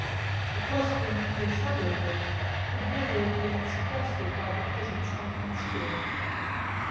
a question the shudder of which could never have been suggested by the presence I am considering.